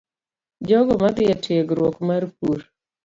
Jogo madhi e tiegruok mar pur,